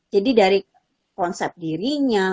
jadi dari konsep dirinya